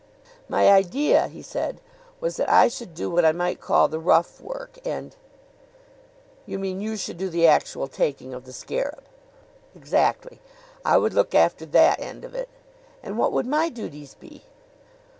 "My idea," he said, "was that I should do what I might call the rough work; and " "You mean you should do the actual taking of the scarab?" "Exactly. I would look after that end of it." "And what would my duties be?"